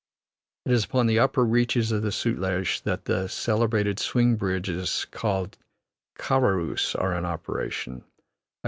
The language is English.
It is on the upper reaches of the Sutlej that the celebrated swing bridges called karorus are in operation.